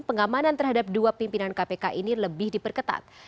pengamanan terhadap dua pimpinan kpk ini lebih diperketat